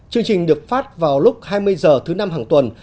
chương trình được phát vào lúc hai mươi h thứ năm hàng tuần